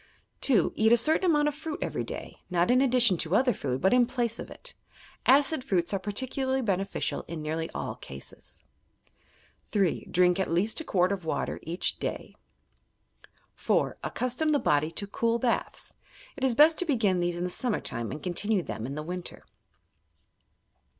2. Eat a certain amount of fruit every day, not in addition to other food, but in place of it. Aeid fruits are partieuiarly beneficial in nearly all cases. 3. Drink at least a quart of water each day. 4. Accustom the body to cool baths. It is best to begin these in the summer time and continue them in the winter.